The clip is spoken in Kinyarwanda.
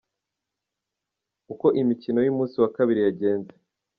Uko imikino y’umunsi wa Kabiri yagenze:.